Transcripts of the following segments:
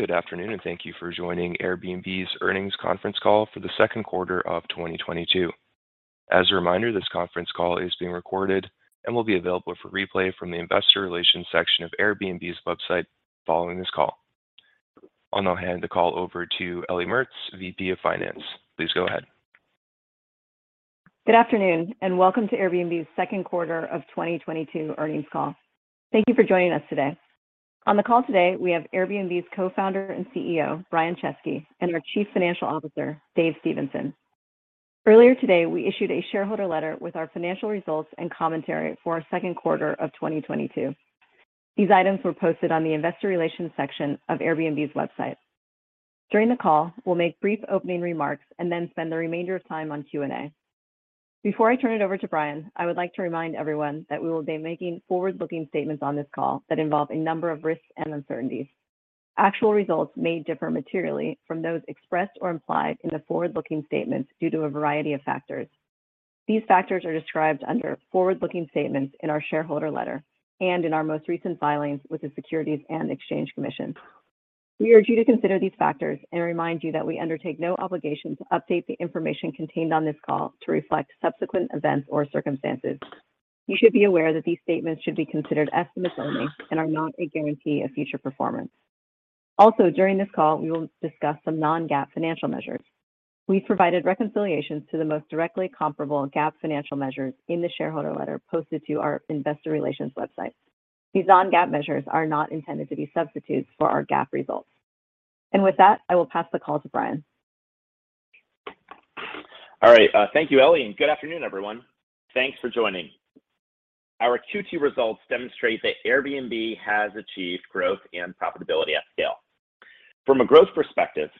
Good afternoon, and thank you for joining Airbnb's earnings conference call for the second quarter of 2022. As a reminder, this conference call is being recorded and will be available for replay from the Investor Relations section of Airbnb's website following this call. I'll now hand the call over to Ellie Mertz, VP of Finance. Please go ahead. Good afternoon and welcome to Airbnb's second quarter of 2022 earnings call. Thank you for joining us today. On the call today, we have Airbnb's Co-founder and CEO, Brian Chesky, and our Chief Financial Officer, Dave Stephenson. Earlier today, we issued a shareholder letter with our financial results and commentary for our second quarter of 2022. These items were posted on the Investor Relations section of Airbnb's website. During the call, we'll make brief opening remarks and then spend the remainder of time on Q&A. Before I turn it over to Brian, I would like to remind everyone that we will be making forward-looking statements on this call that involve a number of risks and uncertainties. Actual results may differ materially from those expressed or implied in the forward-looking statements due to a variety of factors. These factors are described under forward-looking statements in our shareholder letter and in our most recent filings with the Securities and Exchange Commission. We urge you to consider these factors and remind you that we undertake no obligation to update the information contained on this call to reflect subsequent events or circumstances. You should be aware that these statements should be considered estimates only and are not a guarantee of future performance. Also, during this call, we will discuss some non-GAAP financial measures. We've provided reconciliations to the most directly comparable GAAP financial measures in the shareholder letter posted to our investor relations website. These non-GAAP measures are not intended to be substitutes for our GAAP results. With that, I will pass the call to Brian. All right. Thank you, Ellie, and good afternoon, everyone. Thanks for joining. Our Q2 results demonstrate that Airbnb has achieved growth and profitability at scale. From a growth perspective,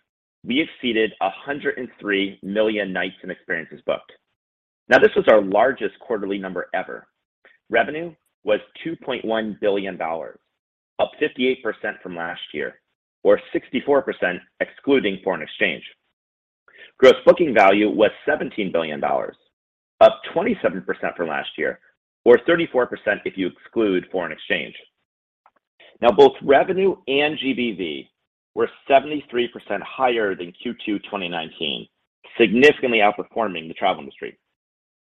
we exceeded 103 million nights and experiences booked. Now, this was our largest quarterly number ever. Revenue was $2.1 billion, up 58% from last year, or 64% excluding foreign exchange. Gross booking value was $17 billion, up 27% from last year, or 34% if you exclude foreign exchange. Now both revenue and GBV were 73% higher than Q2 2019, significantly outperforming the travel industry.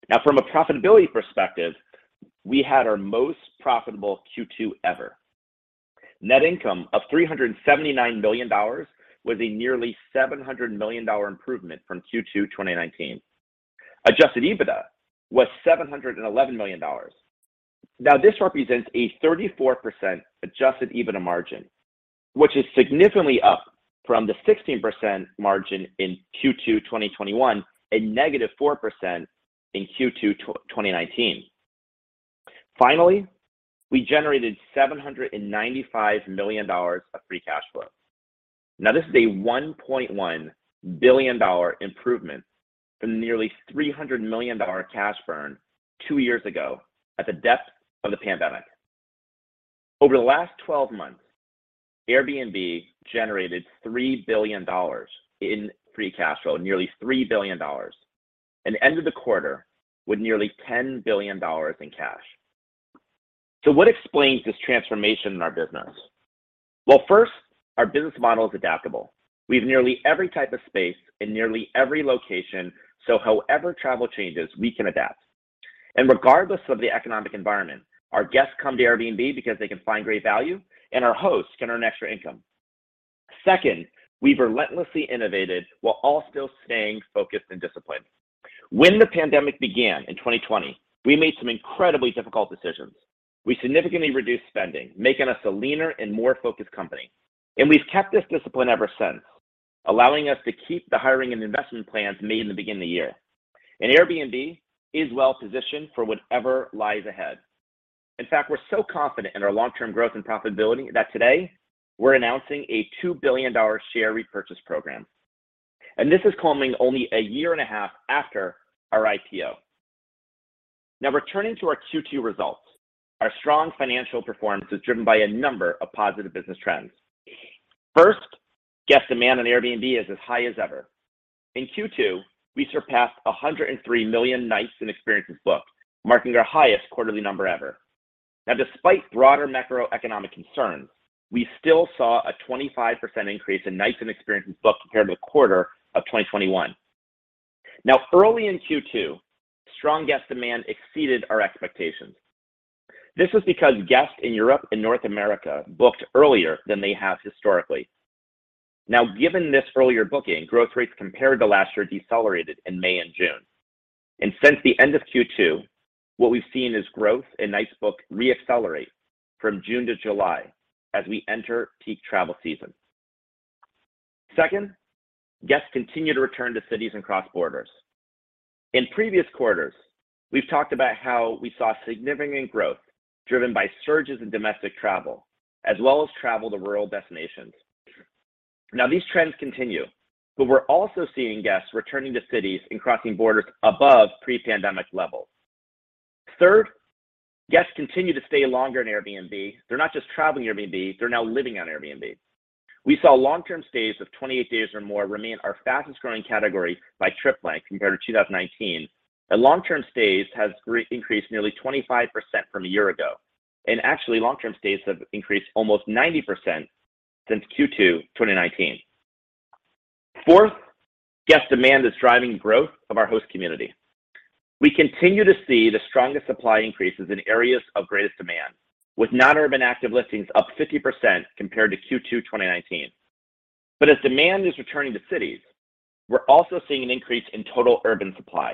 Now from a profitability perspective, we had our most profitable Q2 ever. Net income of $379 million was a nearly $700 million dollar improvement from Q2 2019. Adjusted EBITDA was $711 million. This represents a 34% adjusted EBITDA margin, which is significantly up from the 16% margin in Q2 2021, a -4% in Q2 2019. Finally, we generated $795 million of free cash flow. This is a $1.1 billion improvement from the nearly $300 million cash burn two years ago at the depth of the pandemic. Over the last 12 months, Airbnb generated $3 billion in free cash flow, nearly $3 billion, and ended the quarter with nearly $10 billion in cash. What explains this transformation in our business? Well, first, our business model is adaptable. We have nearly every type of space in nearly every location, so however travel changes, we can adapt. Regardless of the economic environment, our guests come to Airbnb because they can find great value and our hosts can earn extra income. Second, we relentlessly innovated while all still staying focused and disciplined. When the pandemic began in 2020, we made some incredibly difficult decisions. We significantly reduced spending, making us a leaner and more focused company. We've kept this discipline ever since, allowing us to keep the hiring and investment plans made in the beginning of the year. Airbnb is well-positioned for whatever lies ahead. In fact, we're so confident in our long-term growth and profitability that today we're announcing a $2 billion share repurchase program. This is coming only a year and a half after our IPO. Now returning to our Q2 results. Our strong financial performance is driven by a number of positive business trends. First, guest demand on Airbnb is as high as ever. In Q2, we surpassed 103 million nights and experiences booked, marking our highest quarterly number ever. Now despite broader macroeconomic concerns, we still saw a 25% increase in nights and experiences booked compared to the quarter of 2021. Now, early in Q2, strong guest demand exceeded our expectations. This was because guests in Europe and North America booked earlier than they have historically. Now, given this earlier booking, growth rates compared to last year decelerated in May and June. Since the end of Q2, what we've seen is growth in nights booked re-accelerate from June to July as we enter peak travel season. Second, guests continue to return to cities and cross borders. In previous quarters, we've talked about how we saw significant growth driven by surges in domestic travel, as well as travel to rural destinations. Now these trends continue, but we're also seeing guests returning to cities and crossing borders above pre-pandemic levels. Third, guests continue to stay longer on Airbnb. They're not just traveling on Airbnb, they're now living on Airbnb. We saw long-term stays of 28 days or more remain our fastest-growing category by trip length compared to 2019. Long-term stays has increased nearly 25% from a year ago. Actually, long-term stays have increased almost 90% since Q2 2019. Fourth, guest demand is driving growth of our host community. We continue to see the strongest supply increases in areas of greatest demand, with non-urban active listings up 50% compared to Q2 2019. As demand is returning to cities, we're also seeing an increase in total urban supply.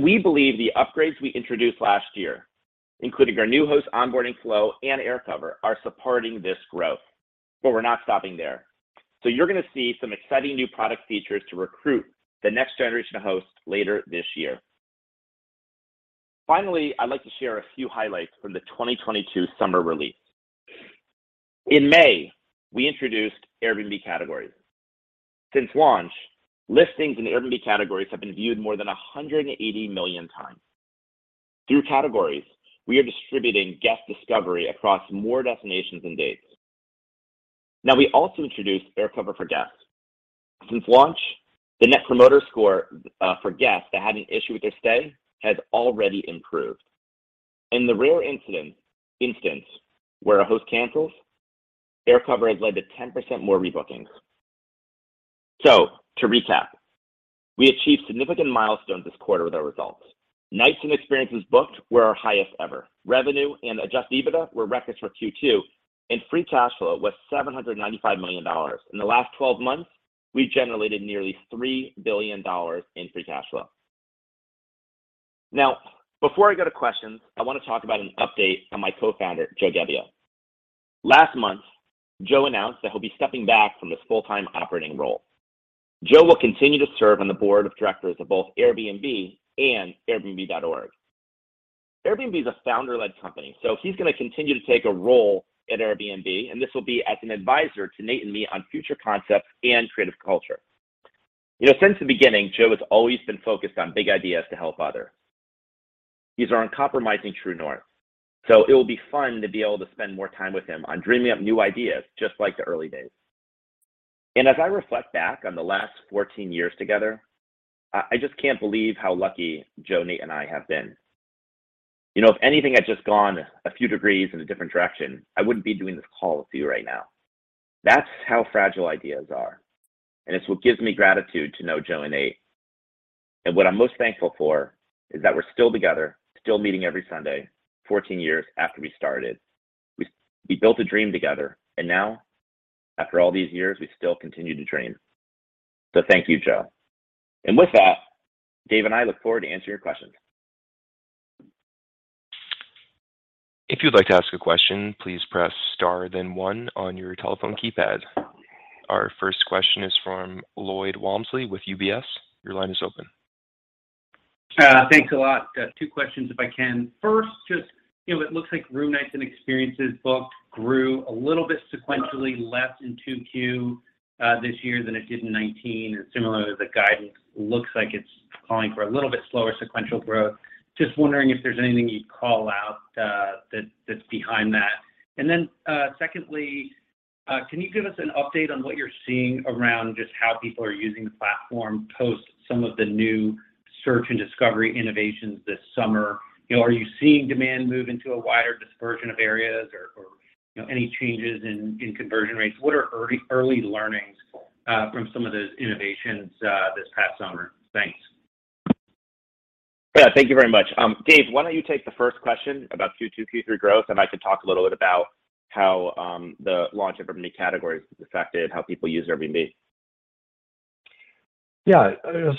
We believe the upgrades we introduced last year, including our new host onboarding flow and AirCover, are supporting this growth. We're not stopping there. You're gonna see some exciting new product features to recruit the next generation of hosts later this year. Finally, I'd like to share a few highlights from the 2022 summer release. In May, we introduced Airbnb Categories. Since launch, listings in Airbnb Categories have been viewed more than 180 million times. Through Categories, we are distributing guest discovery across more destinations and dates. Now we also introduced AirCover for Guests. Since launch, the Net Promoter Score for guests that had an issue with their stay has already improved. In the rare instance where a host cancels, AirCover has led to 10% more rebookings. To recap, we achieved significant milestones this quarter with our results. Nights and experiences booked were our highest ever. Revenue and adjusted EBITDA were records for Q2, and free cash flow was $795 million. In the last 12 months, we generated nearly $3 billion in free cash flow. Now, before I go to questions, I want to talk about an update on my co-founder, Joe Gebbia. Last month, Joe announced that he'll be stepping back from his full-time operating role. Joe will continue to serve on the board of directors of both Airbnb and Airbnb.org. Airbnb is a founder-led company, so he's gonna continue to take a role at Airbnb, and this will be as an advisor to Nate and me on future concepts and creative culture. You know, since the beginning, Joe has always been focused on big ideas to help others. He's our uncompromising true north, so it will be fun to be able to spend more time with him on dreaming up new ideas, just like the early days. As I reflect back on the last 14 years together, I just can't believe how lucky Joe, Nate, and I have been. You know, if anything had just gone a few degrees in a different direction, I wouldn't be doing this call with you right now. That's how fragile ideas are, and it's what gives me gratitude to know Joe and Nate. What I'm most thankful for is that we're still together, still meeting every Sunday, 14 years after we started. We built a dream together, and now, after all these years, we still continue to dream. Thank you, Joe. With that, Dave and I look forward to answering your questions. If you'd like to ask a question, please press star then one on your telephone keypad. Our first question is from Lloyd Walmsley with UBS. Your line is open. Thanks a lot. Two questions if I can. First, just, you know, it looks like room nights and experiences booked grew a little bit sequentially less in 2Q this year than it did in 2019. Similarly, the guidance looks like it's calling for a little bit slower sequential growth. Just wondering if there's anything you'd call out, that's behind that. Then, secondly, can you give us an update on what you're seeing around just how people are using the platform post some of the new search and discovery innovations this summer? You know, are you seeing demand move into a wider dispersion of areas or, you know, any changes in conversion rates? What are early learnings from some of those innovations this past summer? Thanks. Yeah, thank you very much. Dave, why don't you take the first question about Q2, Q3 growth, and I could talk a little bit about how the launch of Airbnb Categories has affected how people use Airbnb. Yeah.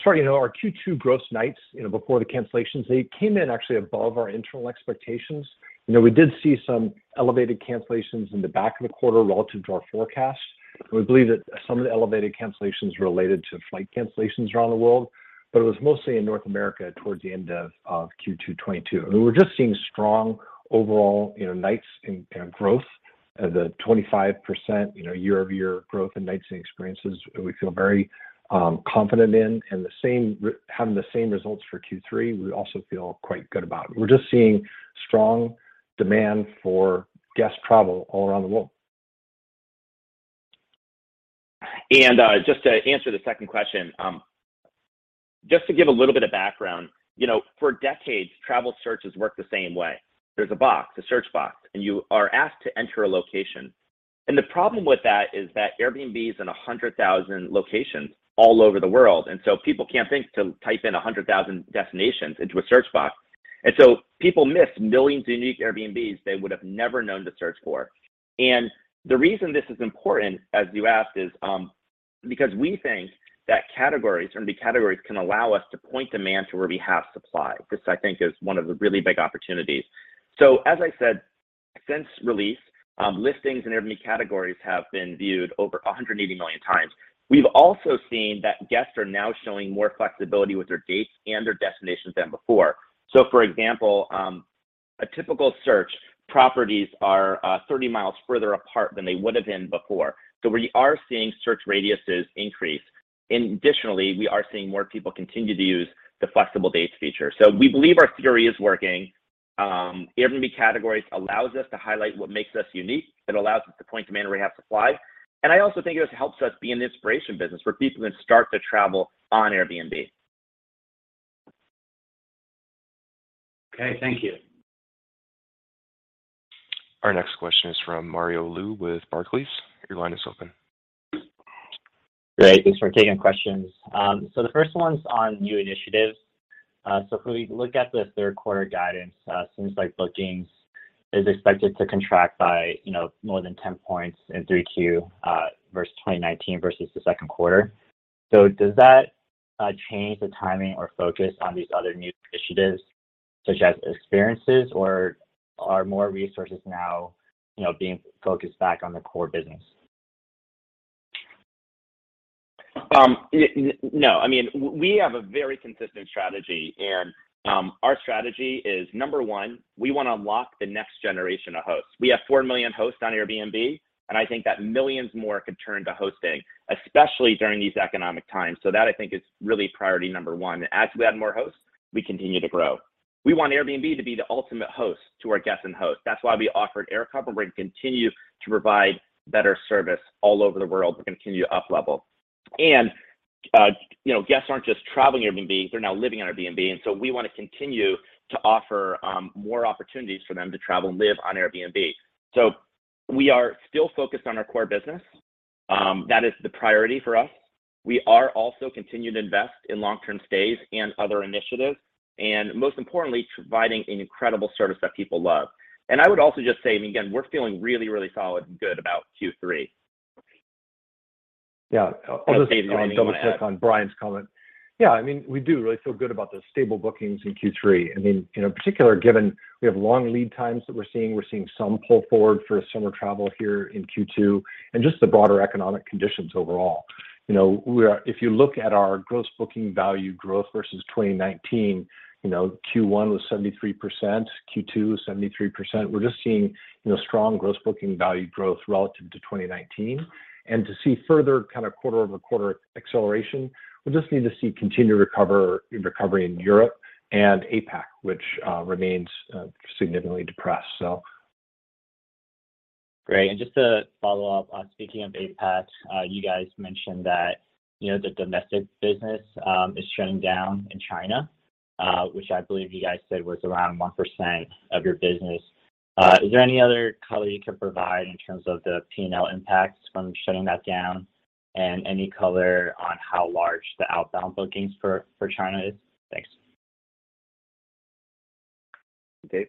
Sorry. You know, our Q2 gross nights, you know, before the cancellations, they came in actually above our internal expectations. You know, we did see some elevated cancellations in the back half of the quarter relative to our forecast. We believe that some of the elevated cancellations related to flight cancellations around the world, but it was mostly in North America towards the end of Q2 2022. We were just seeing strong overall, you know, nights and growth. The 25% year-over-year growth in nights and experiences, we feel very confident in. Having the same results for Q3, we also feel quite good about. We're just seeing strong demand for guest travel all around the world. Just to answer the second question, just to give a little bit of background, you know, for decades, travel searches work the same way. There's a box, a search box, and you are asked to enter a location. The problem with that is that Airbnb is in 100,000 locations all over the world, and so people can't think to type in 100,000 destinations into a search box. People miss millions of unique Airbnbs they would have never known to search for. The reason this is important, as you asked, is because we think that Categories, Airbnb Categories can allow us to point demand to where we have supply. This, I think, is one of the really big opportunities. As I said, since release, listings in Airbnb Categories have been viewed over 180 million times. We've also seen that guests are now showing more flexibility with their dates and their destinations than before. For example, a typical search, properties are 30 miles further apart than they would have been before. We are seeing search radiuses increase. Additionally, we are seeing more people continue to use the flexible dates feature. We believe our theory is working. Airbnb Categories allows us to highlight what makes us unique. It allows us to point demand where we have supply. I also think it helps us be in the inspiration business, where people can start to travel on Airbnb. Okay, thank you. Our next question is from Mario Lu with Barclays. Your line is open. Great. Thanks for taking questions. The first one's on new initiatives. If we look at the third quarter guidance, seems like bookings is expected to contract by, you know, more than 10 points in 3Q, versus 2019 versus the second quarter. Does that change the timing or focus on these other new initiatives, such as experiences, or are more resources now, you know, being focused back on the core business? No, I mean, we have a very consistent strategy, and our strategy is, number one, we wanna unlock the next generation of hosts. We have 4 million hosts on Airbnb, and I think that millions more could turn to hosting, especially during these economic times. That, I think, is really priority number one. As we add more hosts, we continue to grow. We want Airbnb to be the ultimate host to our guests and hosts. That's why we offered AirCover, and continue to provide better service all over the world to continue to up-level. You know, guests aren't just traveling Airbnb, they're now living on Airbnb, and so we wanna continue to offer more opportunities for them to travel and live on Airbnb. We are still focused on our core business. That is the priority for us. We are also continuing to invest in long-term stays and other initiatives, and most importantly, providing an incredible service that people love. I would also just say, and again, we're feeling really, really solid and good about Q3. Yeah. I'll double click on Brian's comment. Yeah, I mean, we do really feel good about the stable bookings in Q3. I mean, in particular, given we have long lead times that we're seeing some pull forward for summer travel here in Q2, and just the broader economic conditions overall. You know, If you look at our gross booking value growth versus 2019, you know, Q1 was 73%, Q2 was 73%. We're just seeing, you know, strong gross booking value growth relative to 2019. To see further kind of quarter-over-quarter acceleration, we'll just need to see continued recovery in Europe and APAC, which remains significantly depressed. Great. Just to follow up, speaking of APAC, you guys mentioned that, you know, the domestic business is shutting down in China, which I believe you guys said was around 1% of your business. Is there any other color you can provide in terms of the P&L impacts from shutting that down and any color on how large the outbound bookings for China is? Thanks. Dave?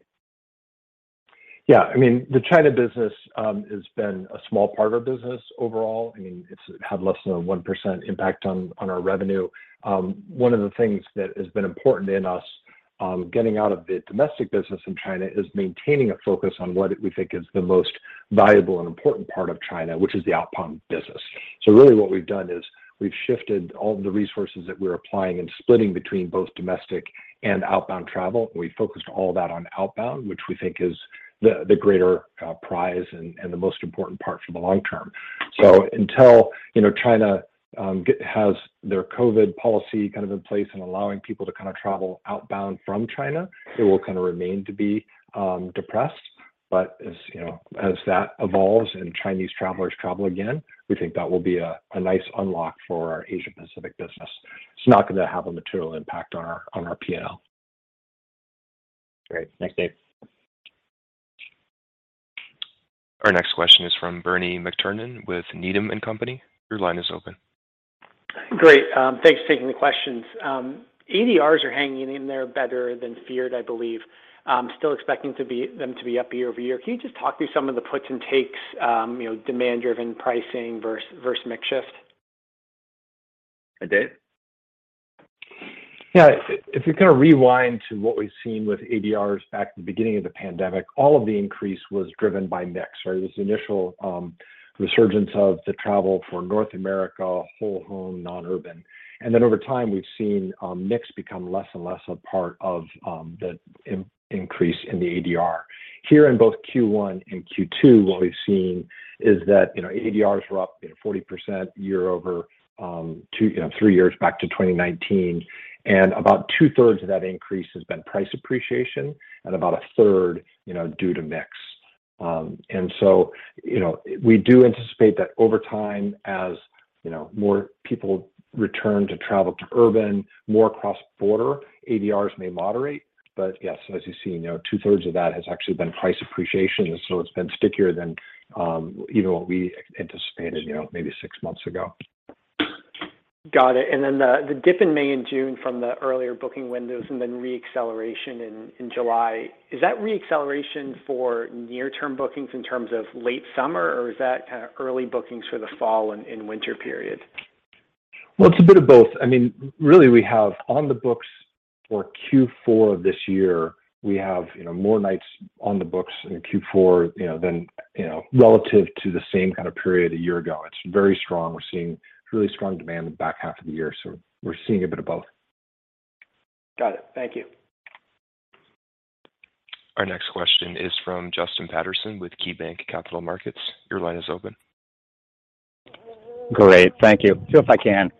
Yeah. I mean, the China business has been a small part of our business overall. I mean, it's had less than a 1% impact on our revenue. One of the things that has been important in us getting out of the domestic business in China is maintaining a focus on what we think is the most valuable and important part of China, which is the outbound business. Really what we've done is we've shifted all the resources that we're applying and splitting between both domestic and outbound travel. We focused all that on outbound, which we think is the greater prize and the most important part for the long term. Until, you know, China has their COVID policy kind of in place and allowing people to kind of travel outbound from China, it will kind of remain to be depressed. As, you know, as that evolves and Chinese travelers travel again, we think that will be a nice unlock for our Asia Pacific business. It's not gonna have a material impact on our P&L. Great. Thanks, Dave. Our next question is from Bernie McTernan with Needham & Company. Your line is open. Great. Thanks for taking the questions. ADRs are hanging in there better than feared, I believe. Still expecting them to be up year-over-year. Can you just talk through some of the puts and takes, you know, demand-driven pricing versus mix shift? Dave? Yeah. If you kind of rewind to what we've seen with ADRs back at the beginning of the pandemic, all of the increase was driven by mix, right? It was the initial resurgence of the travel for North America, whole home, non-urban. Over time, we've seen mix become less and less a part of the increase in the ADR. Here in both Q1 and Q2, what we've seen is that, you know, ADRs were up, you know, 40% year over two, you know, three years back to 2019, and about 2/3` of that increase has been price appreciation and about 1/3, you know, due to mix. You know, we do anticipate that over time, as, you know, more people return to travel to urban, more cross-border, ADRs may moderate. Yes, as you see, you know, two-thirds of that has actually been price appreciation. It's been stickier than even what we anticipated, you know, maybe six months ago. Got it. The dip in May and June from the earlier booking windows and then re-acceleration in July, is that re-acceleration for near term bookings in terms of late summer, or is that kind of early bookings for the fall and winter period? Well, it's a bit of both. I mean, really, we have on the books for Q4 of this year, we have, you know, more nights on the books in Q4, you know, than, you know, relative to the same kind of period a year ago. It's very strong. We're seeing really strong demand in the back half of the year, so we're seeing a bit of both. Got it. Thank you. Our next question is from Justin Patterson with KeyBanc Capital Markets. Your line is open. Great. Thank you. Two if I can.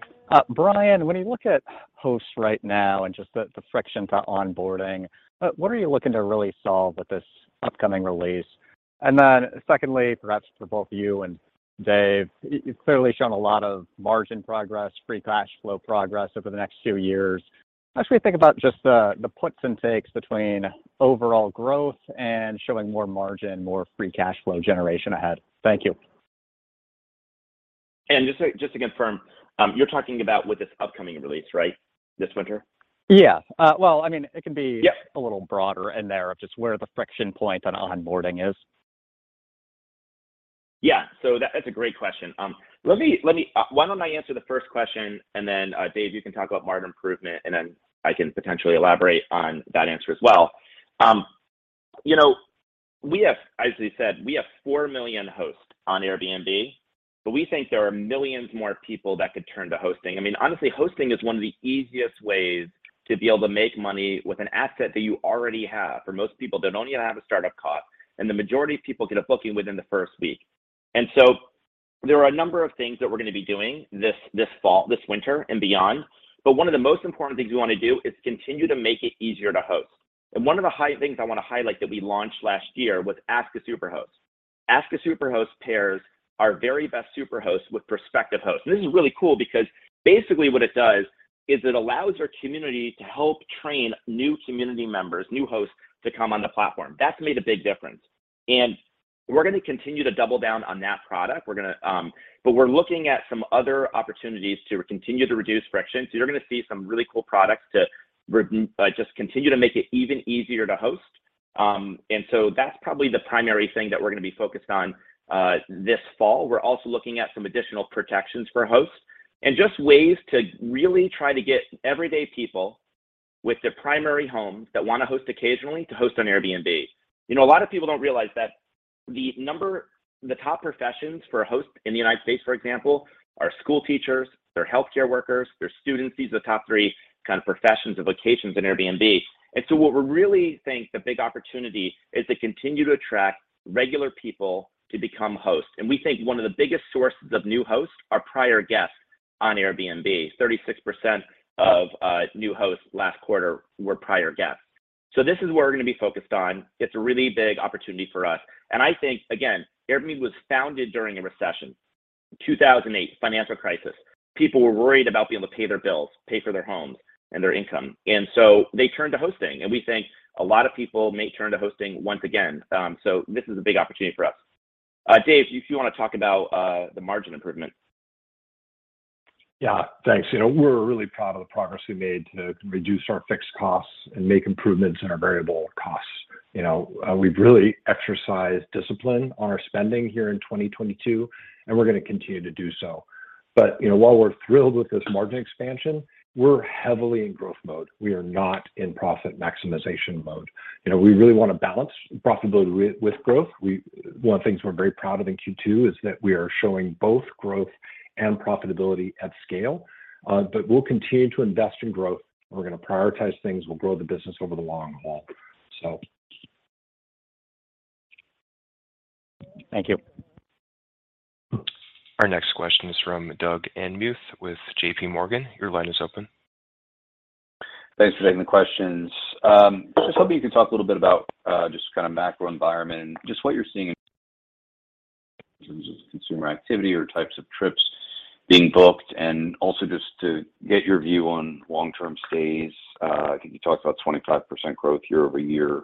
Brian, when you look at hosts right now and just the friction to onboarding, what are you looking to really solve with this upcoming release? Secondly, perhaps for both you and Dave, you've clearly shown a lot of margin progress, free cash flow progress over the next few years. As we think about just the puts and takes between overall growth and showing more margin, more free cash flow generation ahead. Thank you. Just to confirm, you're talking about with this upcoming release, right? This winter? Yeah. Well, I mean, it couldbe a little broader in there, of just where the friction point on onboarding is. That's a great question. Let me— Why don't I answer the first question, and then, Dave, you can talk about margin improvement, and then I can potentially elaborate on that answer as well. You know, we have, as we said, we have 4 million hosts on Airbnb, but we think there are millions more people that could turn to hosting. I mean, honestly, hosting is one of the easiest ways to be able to make money with an asset that you already have. For most people, they don't even have a startup cost, and the majority of people get a booking within the first week. There are a number of things that we're gonna be doing this fall, this winter and beyond, but one of the most important things we wanna do is continue to make it easier to host. One of the things I wanna highlight that we launched last year was Ask a Superhost. Ask a Superhost pairs our very best Superhost with prospective hosts. This is really cool because basically what it does is it allows our community to help train new community members, new hosts, to come on the platform. That's made a big difference. We're gonna continue to double down on that product. We're looking at some other opportunities to continue to reduce friction. You're gonna see some really cool products to just continue to make it even easier to host. That's probably the primary thing that we're gonna be focused on this fall. We're also looking at some additional protections for hosts, and just ways to really try to get everyday people with their primary home that wanna host occasionally to host on Airbnb. You know, a lot of people don't realize that the top professions for a host in the United States, for example, are school teachers, they're healthcare workers, they're students. These are the top three kind of professions and vocations in Airbnb. What we really think the big opportunity is to continue to attract regular people to become hosts. We think one of the biggest sources of new hosts are prior guests on Airbnb. 36% of new hosts last quarter were prior guests. This is where we're gonna be focused on. It's a really big opportunity for us. I think, again, Airbnb was founded during a recession. 2008 financial crisis. People were worried about being able to pay their bills, pay for their homes and their income, and so they turned to hosting. We think a lot of people may turn to hosting once again. This is a big opportunity for us. Dave, if you wanna talk about the margin improvement. Yeah. Thanks. You know, we're really proud of the progress we made to reduce our fixed costs and make improvements in our variable costs. You know, we've really exercised discipline on our spending here in 2022, and we're gonna continue to do so. You know, while we're thrilled with this margin expansion, we're heavily in growth mode. We are not in profit maximization mode. You know, we really wanna balance profitability with growth. One of the things we're very proud of in Q2 is that we are showing both growth and profitability at scale. We'll continue to invest in growth. We're gonna prioritize things. We'll grow the business over the long haul. Thank you. Our next question is from Doug Anmuth with JPMorgan. Your line is open. Thanks for taking the questions. Just hoping you can talk a little bit about just kind of macro environment and just what you're seeing in terms of consumer activity or types of trips being booked. Also just to get your view on long-term stays. I think you talked about 25% growth year-over-year.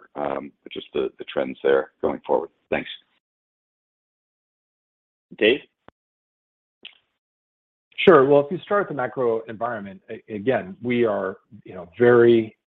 Just the trends there going forward. Thanks. Dave? Sure. Well, if you start with the macro environment, again, we are, you know, very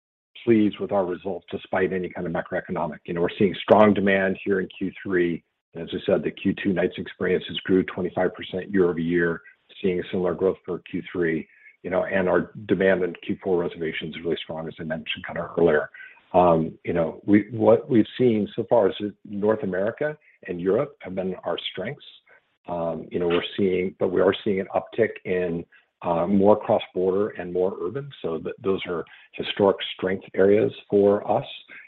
pleased with our results despite any kind of macroeconomic. You know, we're seeing strong demand here in Q3. As I said, the Q2 nights and experiences grew 25% year-over-year, seeing a similar growth for Q3. You know, our demand in Q4 reservations is really strong, as I mentioned kind of earlier. What we've seen so far is North America and Europe have been our strengths. But we are seeing an uptick in more cross-border and more urban, so those are historic strength areas for us,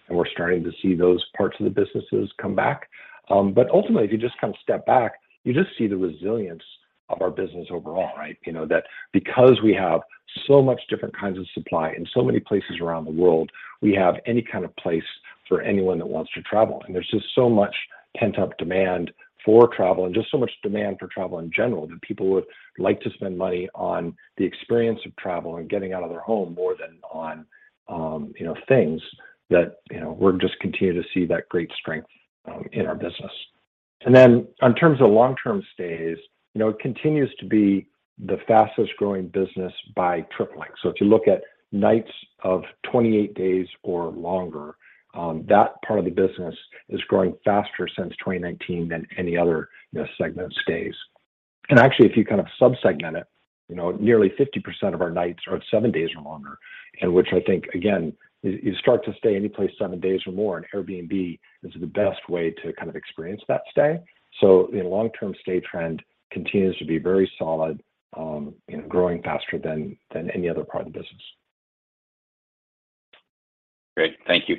and we're starting to see those parts of the businesses come back. Ultimately, if you just kind of step back, you just see the resilience of our business overall, right? You know, that because we have so much different kinds of supply in so many places around the world, we have any kind of place for anyone that wants to travel. There's just so much pent-up demand for travel and just so much demand for travel in general, that people would like to spend money on the experience of travel and getting out of their home more than on, you know, things that, you know, we're just continuing to see that great strength in our business. Then in terms of long-term stays, you know, it continues to be the fastest growing business by tripling. If you look at nights of 28 days or longer, that part of the business is growing faster since 2019 than any other, you know, segment of stays. Actually, if you kind of sub-segment it, you know, nearly 50% of our nights are of seven days or longer, and which I think, again, you start to stay anyplace seven days or more, and Airbnb is the best way to kind of experience that stay. The long-term stay trend continues to be very solid, you know, growing faster than any other part of the business. Great. Thank you.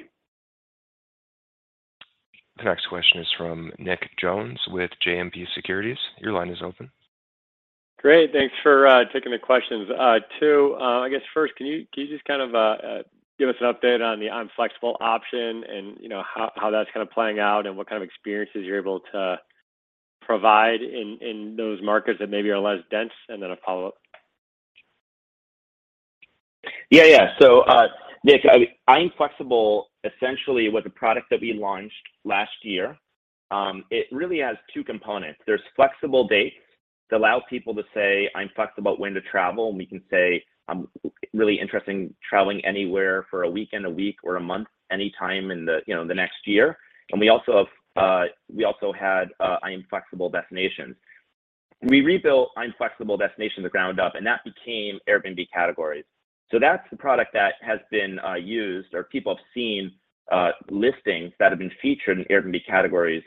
The next question is from Nick Jones with JMP Securities. Your line is open. Great. Thanks for taking the questions. Two, I guess first, can you just kind of give us an update on the I'm Flexible option and, you know, how that's kind of playing out and what kind of experiences you're able to provide in those markets that maybe are less dense? Then a follow-up. Yeah, yeah. Nick, I'm Flexible essentially was a product that we launched last year. It really has two components. There's flexible dates that allow people to say, "I'm flexible when to travel." We can say, "I'm really interested in traveling anywhere for a weekend, a week, or a month, anytime in the, you know, the next year." We also had I'm Flexible destinations. We rebuilt I'm Flexible destinations from the ground up, and that became Airbnb Categories. That's the product that has been used or people have seen listings that have been featured in Airbnb Categories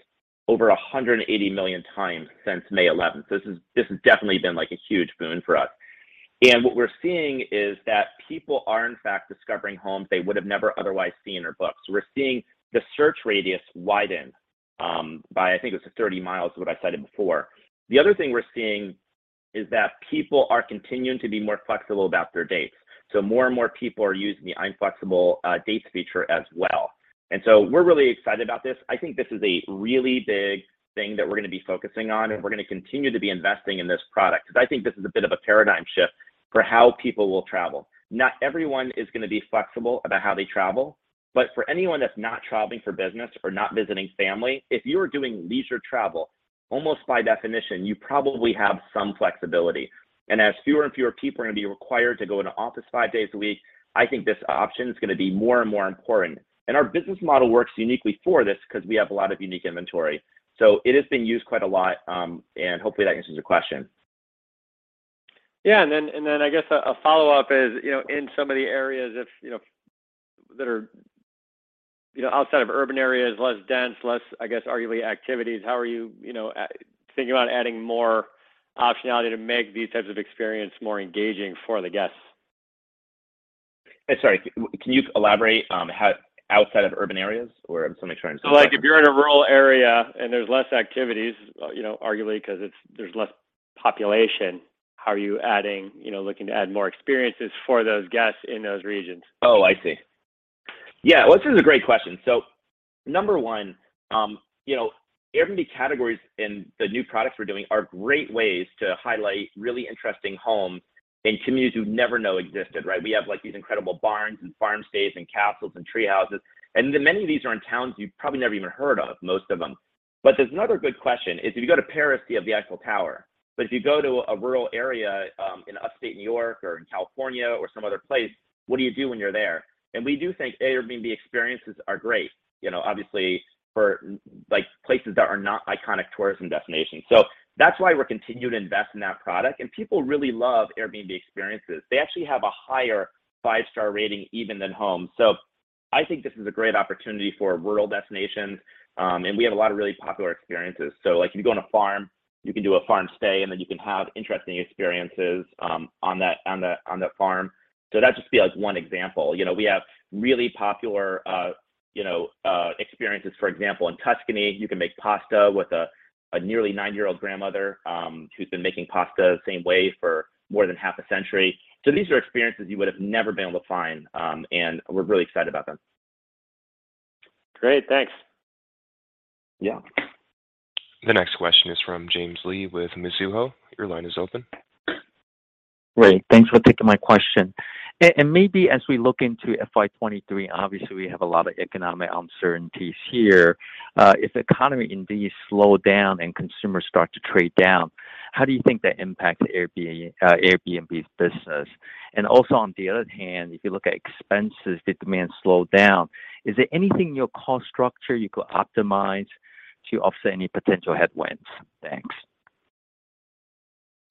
over 180 million times since May 11th. This has definitely been like a huge boon for us. What we're seeing is that people are in fact discovering homes they would've never otherwise seen or booked. We're seeing the search radius widen, by, I think it was 30 mi is what I cited before. The other thing we're seeing is that people are continuing to be more flexible about their dates, so more and more people are using the I'm Flexible dates feature as well. We're really excited about this. I think this is a really big thing that we're gonna be focusing on, and we're gonna continue to be investing in this product. Because I think this is a bit of a paradigm shift for how people will travel. Not everyone is gonna be flexible about how they travel, but for anyone that's not traveling for business or not visiting family, if you are doing leisure travel, almost by definition you probably have some flexibility. As fewer and fewer people are gonna be required to go into office five days a week, I think this option's gonna be more and more important. Our business model works uniquely for this because we have a lot of unique inventory. It has been used quite a lot, and hopefully that answers your question. Yeah. I guess a follow-up is, you know, in some of the areas, you know, that are, you know, outside of urban areas, less dense, less, I guess, arguably activities, how are you know, thinking about adding more optionality to make these types of experience more engaging for the guests? Sorry. Can you elaborate how outside of urban areas? Like if you're in a rural area, and there's less activities, you know, arguably because there's less population, how are you adding, you know, looking to add more experiences for those guests in those regions? Oh, I see. Yeah. Well, this is a great question. Number one, you know, Airbnb Categories and the new products we're doing are great ways to highlight really interesting homes in communities you'd never know existed, right? We have like these incredible barns and farm stays and castles and tree houses, and many of these are in towns you've probably never even heard of, most of them. There's another good question is, if you go to Paris, see the Eiffel Tower, but if you go to a rural area, in upstate New York or in California or some other place, what do you do when you're there? We do think Airbnb Experiences are great, you know, obviously for like, places that are not iconic tourism destinations. That's why we're continuing to invest in that product. People really love Airbnb Experiences. They actually have a higher five-star rating even than homes. I think this is a great opportunity for rural destinations. We have a lot of really popular experiences. Like if you go on a farm, you can do a farm stay, and then you can have interesting experiences on that farm. That'd just be like one example. You know, we have really popular experiences. For example, in Tuscany, you can make pasta with a nearly 90-year-old grandmother who's been making pasta the same way for more than half a century. These are experiences you would've never been able to find. We're really excited about them. Great. Thanks. Yeah. The next question is from James Lee with Mizuho. Your line is open. Great. Thanks for taking my question. And maybe as we look into FY 2023, obviously we have a lot of economic uncertainties here. If the economy indeed slow down and consumers start to trade down, how do you think that impacts Airbnb's business? And also on the other hand, if you look at expenses, if demand slow down, is there anything in your cost structure you could optimize to offset any potential headwinds? Thanks.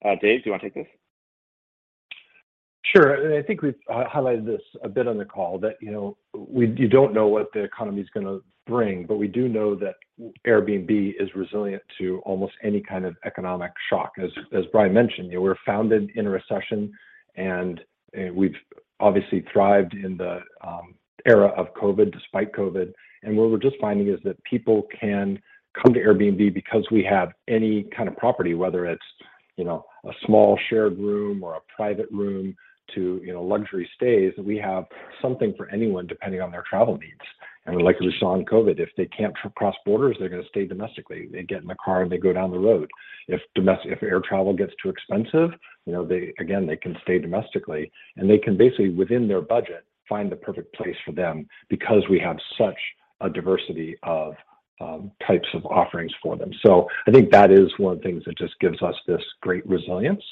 Dave, do you want to take this? Sure. I think we've highlighted this a bit on the call that, you know, you don't know what the economy's gonna bring, but we do know that Airbnb is resilient to almost any kind of economic shock. As Brian mentioned, we were founded in a recession, and we've obviously thrived in the era of COVID, despite COVID. What we're just finding is that people can come to Airbnb because we have any kind of property, whether it's, you know, a small shared room or a private room to, you know, luxury stays. We have something for anyone depending on their travel needs. Like we saw in COVID, if they can't cross borders, they're gonna stay domestically. They get in the car, and they go down the road. If air travel gets too expensive, you know, again, they can stay domestically, and they can basically, within their budget, find the perfect place for them because we have such a diversity of types of offerings for them. I think that is one of the things that just gives us this great resilience.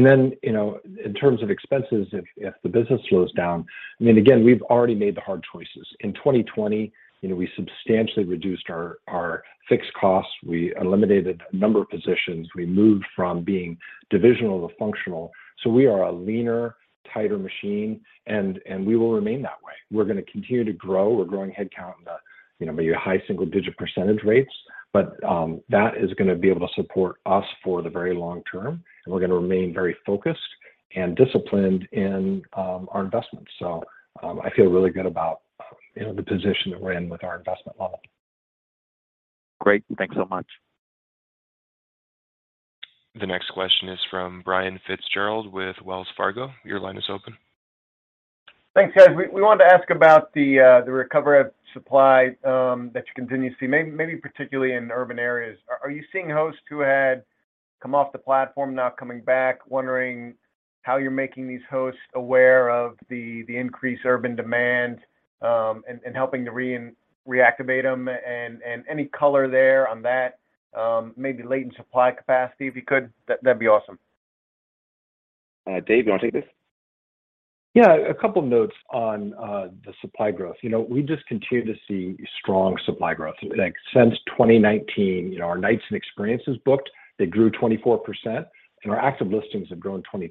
Then, you know, in terms of expenses, if the business slows down, I mean, again, we've already made the hard choices. In 2020, you know, we substantially reduced our fixed costs. We eliminated a number of positions. We moved from being divisional to functional. We are a leaner, tighter machine, and we will remain that way. We're gonna continue to grow. We're growing headcount. You know, maybe high single-digit percentage rates, but that is gonna be able to support us for the very long term, and we're gonna remain very focused and disciplined in our investments. I feel really good about, you know, the position that we're in with our investment model. Great. Thanks so much. The next question is from Brian Fitzgerald with Wells Fargo. Your line is open. Thanks, guys. We wanted to ask about the recovery of supply that you continue to see, maybe particularly in urban areas. Are you seeing hosts who had come off the platform now coming back, wondering how you're making these hosts aware of the increased urban demand and helping to reactivate them and any color there on that, maybe latent supply capacity, if you could. That'd be awesome. Dave, you wanna take this? Yeah. A couple notes on the supply growth. You know, we just continue to see strong supply growth. Like, since 2019, you know, our nights and experiences booked, they grew 24% and our active listings have grown 23%.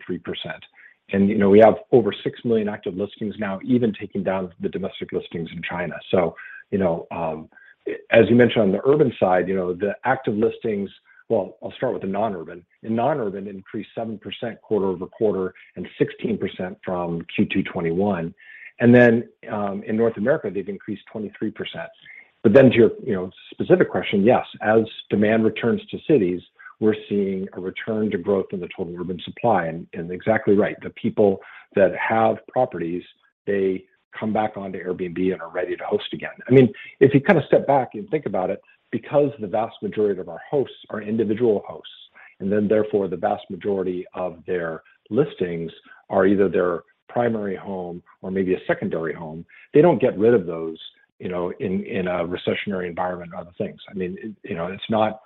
You know, we have over 6 million active listings now, even taking down the domestic listings in China. You mentioned on the urban side, you know, the active listings. Well, I'll start with the non-urban. In non-urban, increased 7% quarter-over-quarter and 16% from Q2 2021. Then, in North America, they've increased 23%. To your specific question, yes, as demand returns to cities, we're seeing a return to growth in the total urban supply. Exactly right, the people that have properties, they come back onto Airbnb and are ready to host again. I mean, if you kind of step back and think about it, because the vast majority of our hosts are individual hosts, and then therefore the vast majority of their listings are either their primary home or maybe a secondary home, they don't get rid of those, you know, in a recessionary environment or other things. I mean, you know, it's not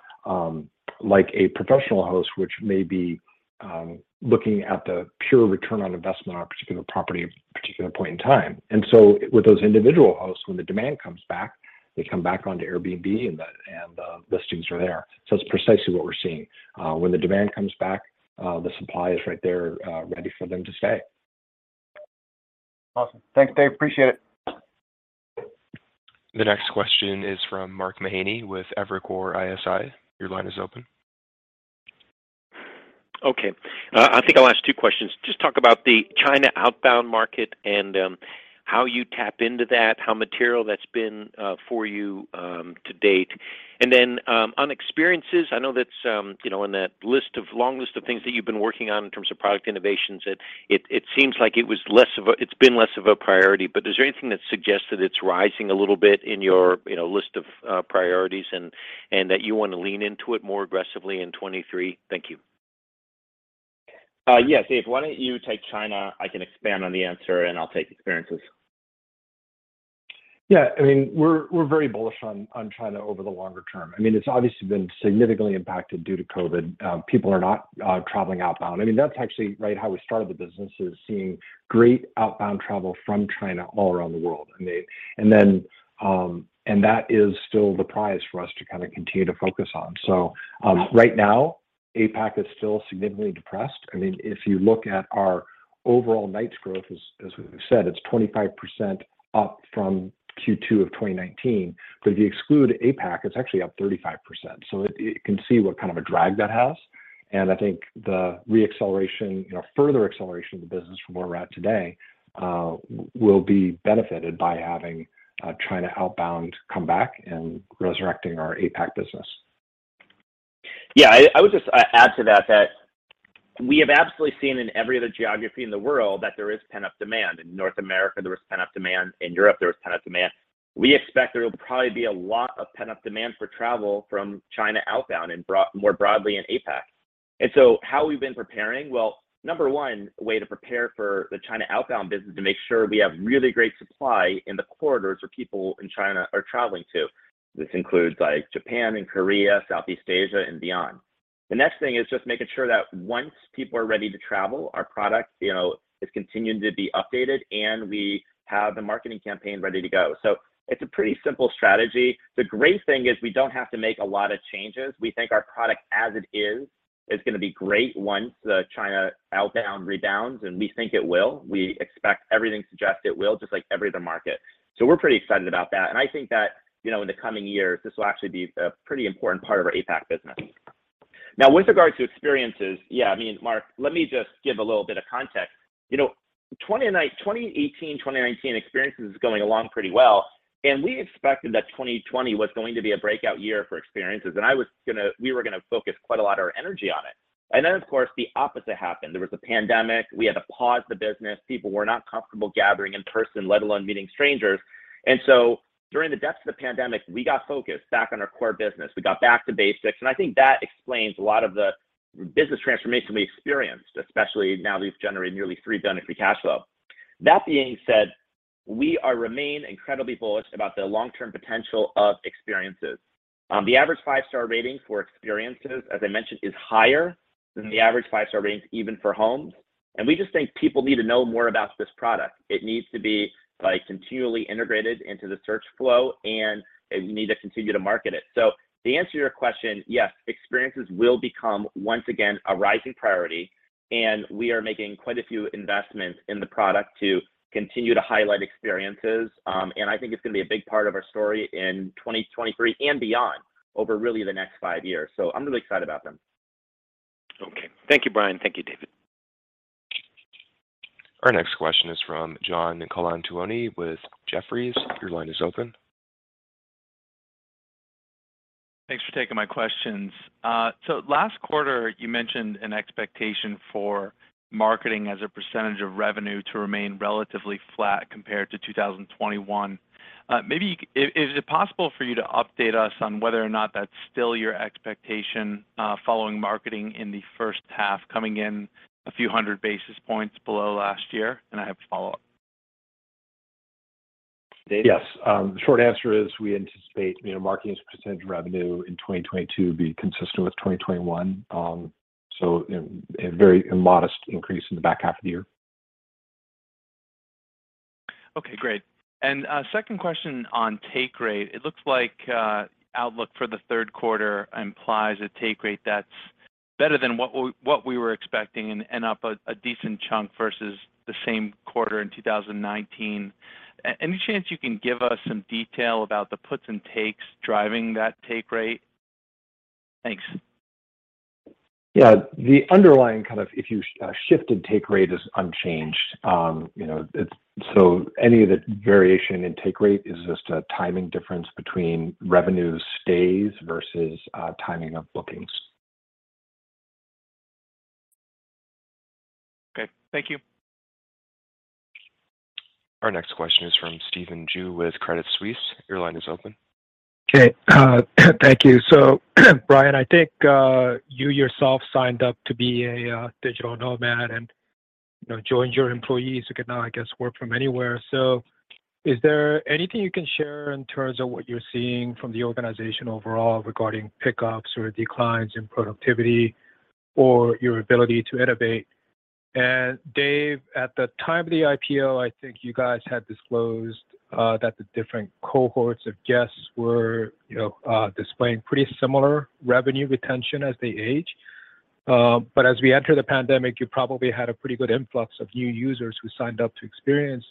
like a professional host, which may be looking at the pure return on investment on a particular property at a particular point in time. With those individual hosts, when the demand comes back, they come back onto Airbnb, and the listings are there. It's precisely what we're seeing. When the demand comes back, the supply is right there, ready for them to stay. Awesome. Thanks, Dave. Appreciate it. The next question is from Mark Mahaney with Evercore ISI. Your line is open. Okay. I think I'll ask two questions. Just talk about the China outbound market and how you tap into that, how material that's been for you to date. Then on experiences, I know that's you know on that list of long list of things that you've been working on in terms of product innovations, it seems like it's been less of a priority, but is there anything that suggests that it's rising a little bit in your you know list of priorities and that you want to lean into it more aggressively in 2023? Thank you. Yeah. Dave, why don't you take China? I can expand on the answer, and I'll take experiences. Yeah. I mean, we're very bullish on China over the longer term. I mean, it's obviously been significantly impacted due to COVID. People are not traveling outbound. I mean, that's actually, right, how we started the business is seeing great outbound travel from China all around the world. I mean, that is still the prize for us to kind of continue to focus on. Right now, APAC is still significantly depressed. I mean, if you look at our overall nights growth, as we've said, it's 25% up from Q2 of 2019. If you exclude APAC, it's actually up 35%. You can see what kind of a drag that has, and I think the re-acceleration, you know, further acceleration of the business from where we're at today, will be benefited by having China outbound come back and resurrecting our APAC business. Yeah. I would just add to that we have absolutely seen in every other geography in the world that there is pent-up demand. In North America, there was pent-up demand. In Europe, there was pent-up demand. We expect there will probably be a lot of pent-up demand for travel from China outbound and more broadly in APAC. How we've been preparing, well, number one way to prepare for the China outbound business to make sure we have really great supply in the corridors where people in China are traveling to. This includes, like, Japan and Korea, Southeast Asia and beyond. The next thing is just making sure that once people are ready to travel, our product, you know, is continuing to be updated, and we have the marketing campaign ready to go. It's a pretty simple strategy. The great thing is we don't have to make a lot of changes. We think our product as it is gonna be great once the China outbound rebounds, and we think it will. We expect everything suggests it will, just like every other market. We're pretty excited about that. I think that, you know, in the coming years, this will actually be a pretty important part of our APAC business. Now, with regards to experiences, yeah, I mean, Mark, let me just give a little bit of context. You know, 2018, 2019, experiences was going along pretty well, and we expected that 2020 was going to be a breakout year for experiences. We were gonna focus quite a lot of our energy on it. Then, of course, the opposite happened. There was a pandemic. We had to pause the business. People were not comfortable gathering in person, let alone meeting strangers. During the depths of the pandemic, we got focused back on our core business. We got back to basics, and I think that explains a lot of the business transformation we experienced, especially now that we've generated nearly $3 billion in free cash flow. That being said, we remain incredibly bullish about the long-term potential of experiences. The average five-star rating for experiences, as I mentioned, is higher than the average five-star ratings even for homes. We just think people need to know more about this product. It needs to be, like, continually integrated into the search flow, and we need to continue to market it. To answer your question, yes, experiences will become once again a rising priority, and we are making quite a few investments in the product to continue to highlight experiences. I think it's gonna be a big part of our story in 2023 and beyond over really the next five years. I'm really excited about them. Okay. Thank you, Brian. Thank you, Dave. Our next question is from John Colantuoni with Jefferies. Your line is open. Thanks for taking my questions. Last quarter you mentioned an expectation for marketing as a percentage of revenue to remain relatively flat compared to 2021. Is it possible for you to update us on whether or not that's still your expectation, following marketing in the first half coming in a few hundred basis points below last year? I have a follow-up. Yes. The short answer is we anticipate, you know, marketing as a percentage of revenue in 2022 to be consistent with 2021. A modest increase in the back half of the year. Okay, great. A second question on take rate. It looks like outlook for the third quarter implies a take rate that's better than what we were expecting and up a decent chunk versus the same quarter in 2019. Any chance you can give us some detail about the puts and takes driving that take rate? Thanks. Yeah. The underlying kind of if you shifted take rate is unchanged. You know, any of the variation in take rate is just a timing difference between revenue stays versus timing of bookings. Okay. Thank you. Our next question is from Stephen Ju with Credit Suisse. Your line is open. Okay. Thank you. Brian, I think you yourself signed up to be a digital nomad and, you know, joined your employees who can now, I guess, work from anywhere. Is there anything you can share in terms of what you're seeing from the organization overall regarding pickups or declines in productivity or your ability to innovate? Dave, at the time of the IPO, I think you guys had disclosed that the different cohorts of guests were, you know, displaying pretty similar revenue retention as they age. But as we enter the pandemic, you probably had a pretty good influx of new users who signed up to experience,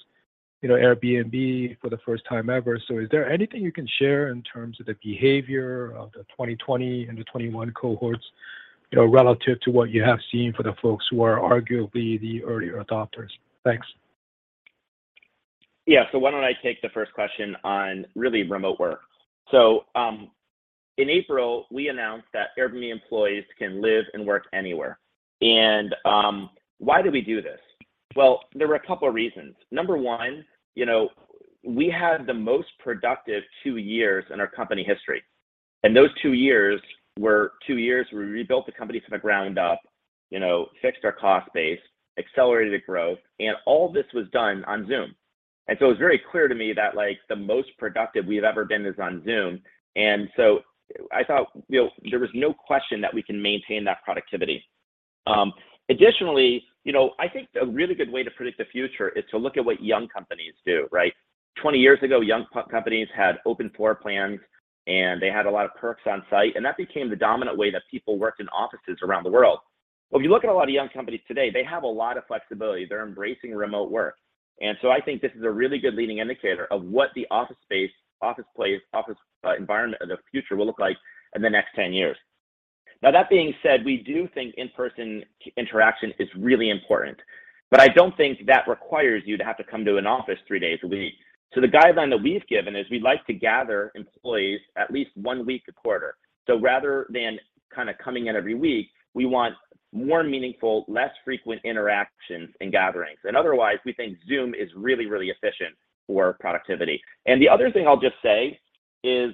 you know, Airbnb for the first time ever. Is there anything you can share in terms of the behavior of the 2020 into 2021 cohorts, you know, relative to what you have seen for the folks who are arguably the earlier adopters? Thanks. Yeah. Why don't I take the first question on really remote work. In April, we announced that Airbnb employees can live and work anywhere. Why do we do this? Well, there were a couple of reasons. Number one, you know, we had the most productive two years in our company history, and those two years were two years where we rebuilt the company from the ground up, you know, fixed our cost base, accelerated growth, and all this was done on Zoom. It was very clear to me that, like, the most productive we've ever been is on Zoom. I thought, you know, there was no question that we can maintain that productivity. Additionally, you know, I think a really good way to predict the future is to look at what young companies do, right? 20 years ago, young companies had open floor plans, and they had a lot of perks on site, and that became the dominant way that people worked in offices around the world. If you look at a lot of young companies today, they have a lot of flexibility. They're embracing remote work. I think this is a really good leading indicator of what the office space, office place, office, environment of the future will look like in the next 10 years. Now that being said, we do think in-person interaction is really important, but I don't think that requires you to have to come to an office three days a week. The guideline that we've given is we like to gather employees at least one week a quarter. Rather than kind of coming in every week, we want more meaningful, less frequent interactions and gatherings. Otherwise, we think Zoom is really, really efficient for productivity. The other thing I'll just say is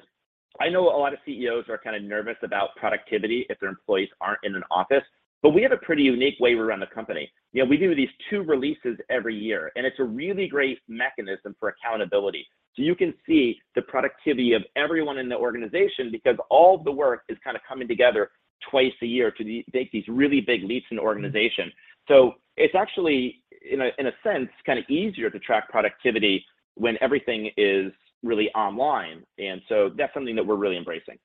I know a lot of CEOs are kind of nervous about productivity if their employees aren't in an office, but we have a pretty unique way we run the company. You know, we do these two releases every year, and it's a really great mechanism for accountability. You can see the productivity of everyone in the organization because all the work is kind of coming together twice a year to make these really big leaps in the organization. It's actually, in a sense, kind of easier to track productivity when everything is really online. That's something that we're really embracing.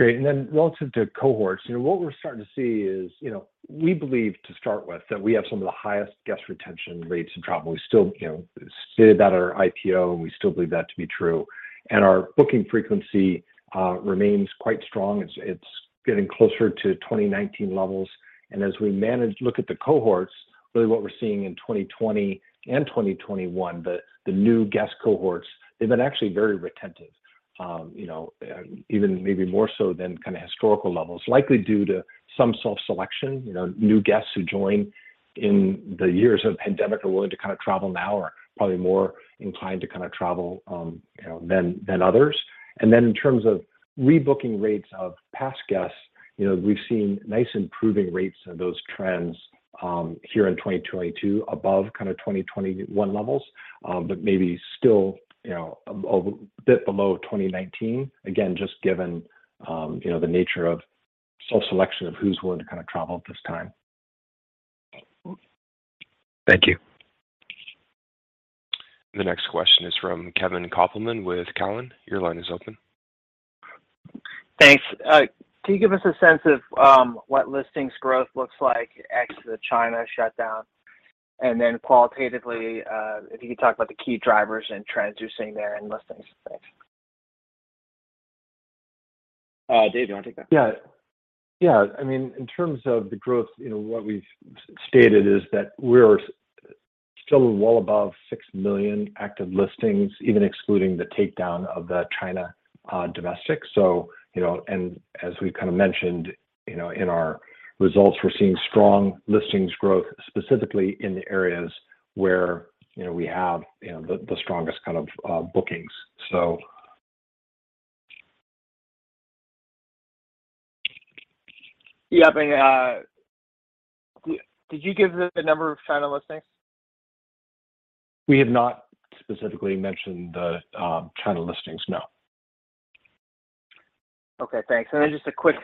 Great. Relative to cohorts, you know, what we're starting to see is, you know, we believe to start with that we have some of the highest guest retention rates in travel. We still, you know, stated that at our IPO, and we still believe that to be true. Our booking frequency remains quite strong. It's getting closer to 2019 levels. As we look at the cohorts, really what we're seeing in 2020 and 2021, the new guest cohorts, they've been actually very retentive, you know, even maybe more so than kind of historical levels, likely due to some self-selection. You know, new guests who join in the years of pandemic are willing to kind of travel now are probably more inclined to kind of travel, you know, than others. In terms of rebooking rates of past guests, you know, we've seen nice improving rates of those trends, here in 2022 above kind of 2021 levels, but maybe still, you know, a bit below 2019. Again, just given, you know, the nature of self-selection of who's willing to kind of travel at this time. Thank you. The next question is from Kevin Kopelman with Cowen. Your line is open. Thanks. Can you give us a sense of what listings growth looks like ex the China shutdown? Qualitatively, if you could talk about the key drivers and trends you're seeing there in listings. Thanks. Dave, do you want to take that? I mean, in terms of the growth, you know, what we've stated is that we're still well above 6 million active listings, even excluding the takedown of the China domestic. You know, as we kind of mentioned, you know, in our results, we're seeing strong listings growth specifically in the areas where, you know, we have the strongest kind of bookings. Yeah. Did you give the number of China listings? We have not specifically mentioned the China listings, no. Okay. Thanks. Just a quick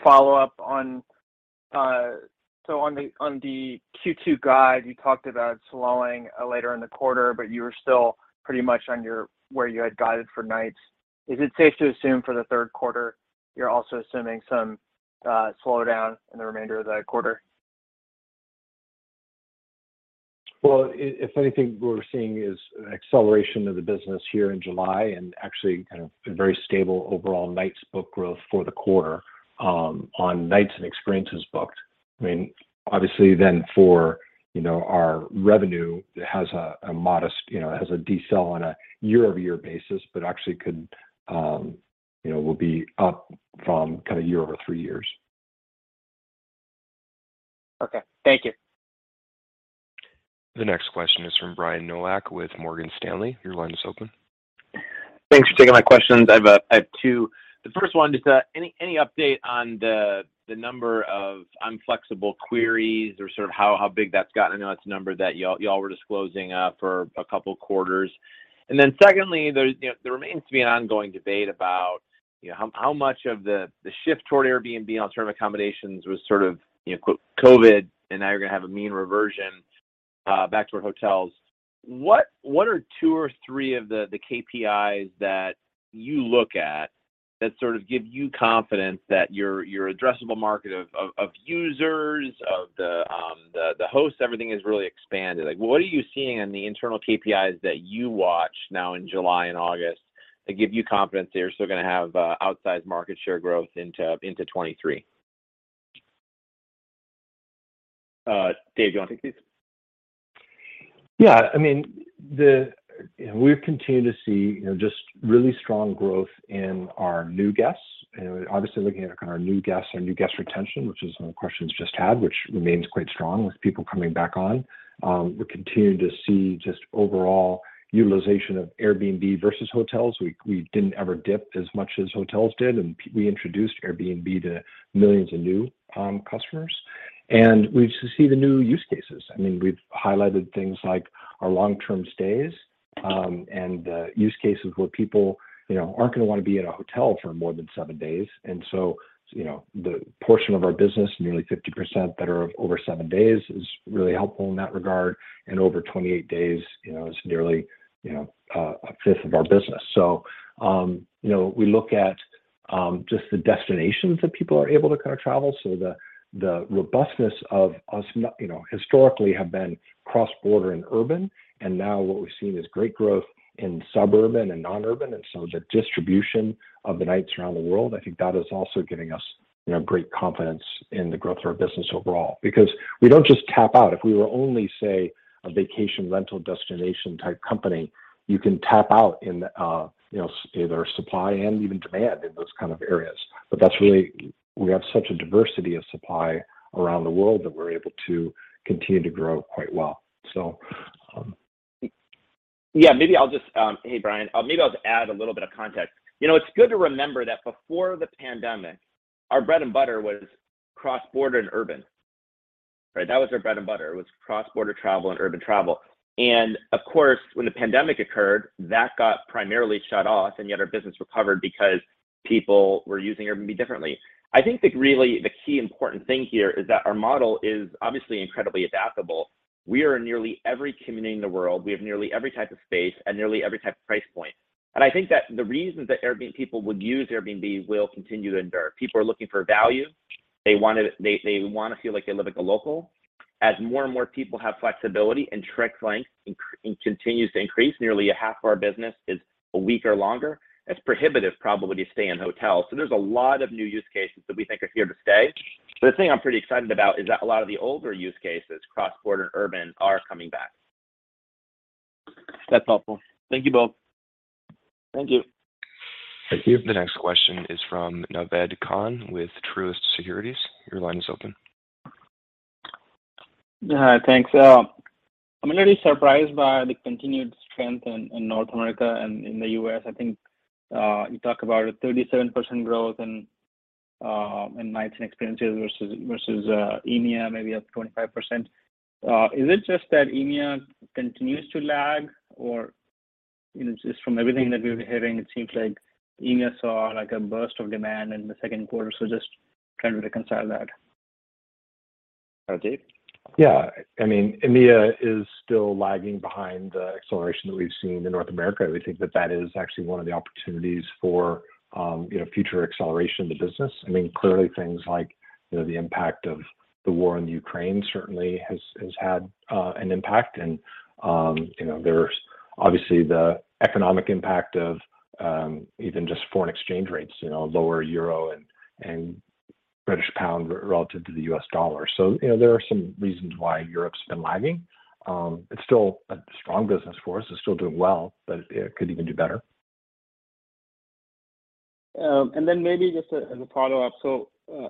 follow-up on the Q2 guide. You talked about slowing later in the quarter, but you were still pretty much where you had guided for nights. Is it safe to assume for the third quarter, you're also assuming some slowdown in the remainder of the quarter? Well, if anything, what we're seeing is an acceleration of the business here in July and actually kind of a very stable overall nights booked growth for the quarter on nights and experiences booked. I mean, obviously then for, you know, our revenue has a modest decel on a year-over-year basis, but actually could, you know, will be up from kind of year over three years. Okay. Thank you. The next question is from Brian Nowak with Morgan Stanley. Your line is open. Thanks for taking my questions. I have two. The first one, just any update on the number of I'm Flexible queries or sort of how big that's gotten? I know that's a number that y'all were disclosing for a couple quarters. Then secondly, you know, there remains to be an ongoing debate about you know how much of the shift toward Airbnb long-term accommodations was sort of you know COVID, and now you're gonna have a mean reversion back toward hotels. What are two or three of the KPIs that you look at that sort of give you confidence that your addressable market of users of the hosts everything has really expanded? Like, what are you seeing on the internal KPIs that you watch now in July and August that give you confidence that you're still gonna have outsized market share growth into 2023? Dave, do you want to take this? Yeah. I mean, you know, we've continued to see, you know, just really strong growth in our new guests. You know, obviously looking at our new guests, our new guest retention, which is one of the questions just had, which remains quite strong with people coming back on. We're continuing to see just overall utilization of Airbnb versus hotels. We didn't ever dip as much as hotels did, and we introduced Airbnb to millions of new customers. We see the new use cases. I mean, we've highlighted things like our long-term stays, and use cases where people, you know, aren't gonna wanna be at a hotel for more than seven days. You know, the portion of our business, nearly 50% that are over seven days, is really helpful in that regard, and over 28 days, you know, is nearly, you know, 1/5 of our business. You know, we look at just the destinations that people are able to kind of travel. The robustness of us, you know, historically have been cross-border and urban, and now what we've seen is great growth in suburban and non-urban. The distribution of the nights around the world, I think that is also giving us, you know, great confidence in the growth of our business overall. Because we don't just tap out. If we were only, say, a vacation rental destination type company, you can tap out in, you know, either supply and even demand in those kind of areas. We have such a diversity of supply around the world that we're able to continue to grow quite well. Hey, Brian. Maybe I'll just add a little bit of context. You know, it's good to remember that before the pandemic, our bread and butter was cross-border and urban. Right? That was our bread and butter, was cross-border travel and urban travel. Of course, when the pandemic occurred, that got primarily shut off, and yet our business recovered because people were using Airbnb differently. I think really the key important thing here is that our model is obviously incredibly adaptable. We are in nearly every community in the world. We have nearly every type of space and nearly every type of price point. I think that the reasons that people would use Airbnb will continue to endure. People are looking for value. They wanna they wanna feel like they live like a local. As more and more people have flexibility and trip length continues to increase, nearly a half of our business is a week or longer, it's prohibitive probably to stay in hotels. There's a lot of new use cases that we think are here to stay. The thing I'm pretty excited about is that a lot of the older use cases, cross-border and urban, are coming back. That's helpful. Thank you both. Thank you. Thank you. The next question is from Naved Khan with Truist Securities. Your line is open. Hi. Thanks. I'm a little surprised by the continued strength in North America and in the U.S. I think you talk about a 37% growth in nights and experiences versus EMEA maybe at 25%. Is it just that EMEA continues to lag or, you know, just from everything that we've been hearing, it seems like EMEA saw like a burst of demand in the second quarter. Just trying to reconcile that. Dave? Yeah. I mean, EMEA is still lagging behind the acceleration that we've seen in North America. We think that is actually one of the opportunities for, you know, future acceleration of the business. I mean, clearly things like, you know, the impact of the war on Ukraine certainly has had an impact. You know, there's obviously the economic impact of, even just foreign exchange rates, you know, lower euro and British pound relative to the US dollar. You know, there are some reasons why Europe's been lagging. It's still a strong business for us. It's still doing well, but it could even do better. Maybe just as a follow-up.